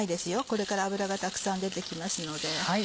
これから脂がたくさん出て来ますので。